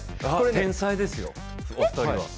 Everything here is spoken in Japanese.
天才ですよ、お二人は。